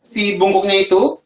si bungkuknya itu